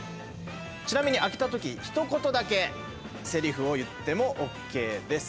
ちなみに開けたとき一言だけせりふを言ってもＯＫです。